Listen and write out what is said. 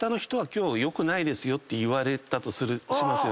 今日良くないって言われたとしますよね。